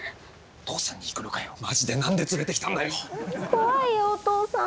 怖いよお父さん。